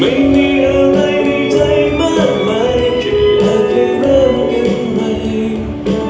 ไม่มีอะไรในใจมากมายหากให้เริ่มกันใหม่